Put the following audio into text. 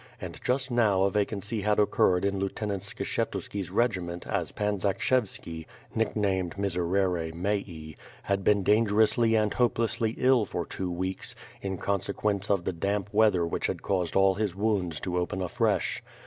And just now a vacancy had occured in Lieutenant Skshetuski's regiment as Pan Zakshevski, nicknamed "Miserere mei," had been dangerously and hope lessly ill for two weeks, in consequence of the damp weather which had caused all his wounds to open afresh.